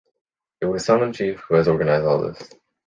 It was Sonom chief, who has organized all this.